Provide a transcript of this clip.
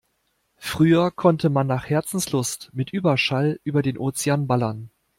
Früher konnte man nach Herzenslust mit Überschall über den Ozean ballern.